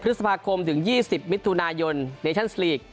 พฤษภาคมถึง๒๐มิถุนายนเนชั่นสลีก